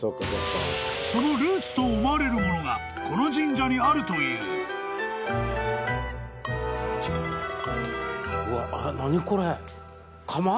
［そのルーツと思われるものがこの神社にあるという］釜ですか？